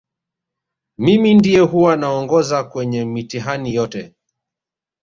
mimi ndiye huwa naongoza kwenye mitihani yote